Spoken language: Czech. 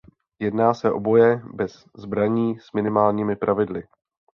Jedná se o boje bez zbraní s minimálními pravidly.